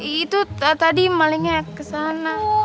itu tadi malinnya kesana